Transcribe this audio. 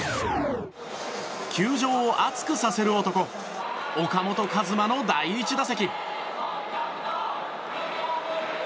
球場を熱くさせる男岡本和真の第１打席。